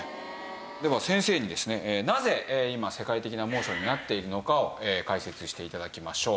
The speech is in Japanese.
では先生にですねなぜ今世界的な猛暑になっているのかを解説して頂きましょう。